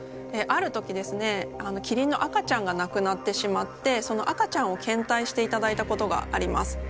ある時ですねキリンの赤ちゃんが亡くなってしまってその赤ちゃんを献体していただいたことがあります。